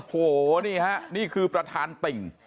โหนี่คือประทานปิ่ง